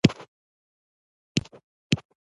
د کرني اوبه لږ سوي دي